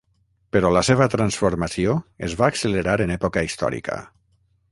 Però la seva transformació es va accelerar en època històrica.